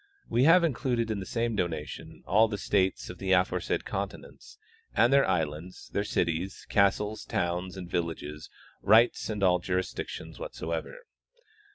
We have included in the same donation all the states of the aforesaid continents and islands, their cities, castles, towns, and villages, rights, and all jurisdictions whatsoever.